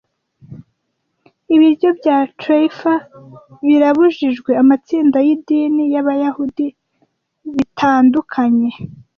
Ibiryo bya Treifa birabujijwe amatsinda y'idini y'Abayahudi - bitandukanye